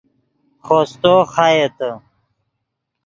خوستو خایتے